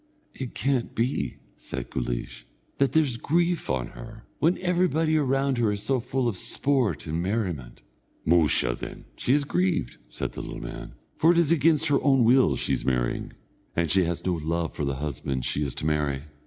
"It can't be," said Guleesh, "that there's grief on her, when everybody round her is so full of sport and merriment." "Musha, then, she is grieved," said the little man; "for it's against her own will she's marrying, and she has no love for the husband she is to marry.